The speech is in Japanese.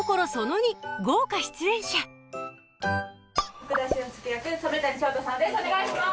福田俊介役染谷将太さんです